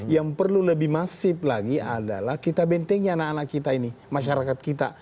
yang perlu lebih masif lagi adalah kita bentengi anak anak kita ini masyarakat kita